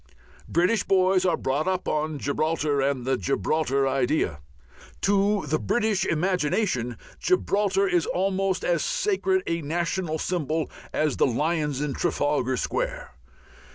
British boys are brought up on Gibraltar and the Gibraltar idea. To the British imagination Gibraltar is almost as sacred a national symbol as the lions in Trafalgar Square.